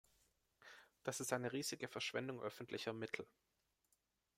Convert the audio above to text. Das ist eine riesige Verschwendung öffentlicher Mittel.